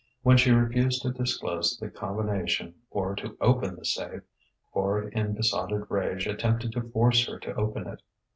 When she refused to disclose the combination or to open the safe, Quard in besotted rage attempted to force her to open it.